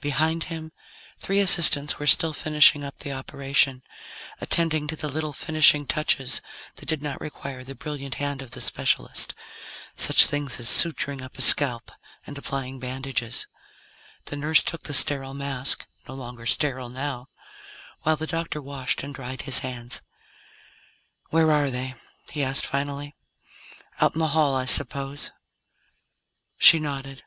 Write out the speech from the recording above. Behind him, three assistants were still finishing up the operation, attending to the little finishing touches that did not require the brilliant hand of the specialist. Such things as suturing up a scalp, and applying bandages. The nurse took the sterile mask no longer sterile now while the doctor washed and dried his hands. "Where are they?" he asked finally. "Out in the hall, I suppose?" She nodded.